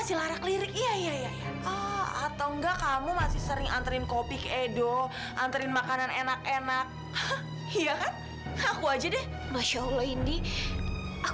sampai jumpa di video selanjutnya